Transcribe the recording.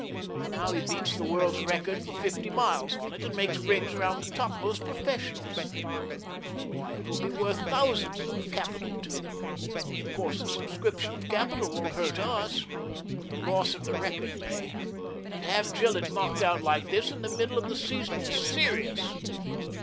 Now he beats the world's record for fifty miles on it, and makes rings round the topmost professionals !' Why, it will be worth thousands of capital to them. Of course the subscription of capital won't hurt us, but the loss of the record may, and to have Gillctt knocked out like this in the middle of the season is serious."